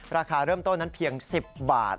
ราคาเริ่มต้นนั้นเพียง๑๐บาท